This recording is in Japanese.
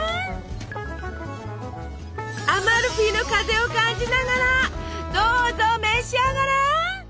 アマルフィの風を感じながらどうぞ召し上がれ！